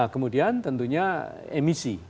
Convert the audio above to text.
kemudian tentunya emisi